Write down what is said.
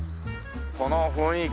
この雰囲気。